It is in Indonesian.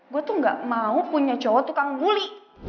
gue tuh gak mau punya cowok tukang guli